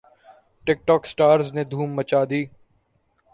ٹک ٹوک سٹارز نے دھوم مچا دی